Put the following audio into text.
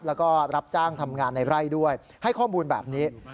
แล้วก็รับจ้างทำงานในไร่ด้วยให้ข้อมูลแบบนี้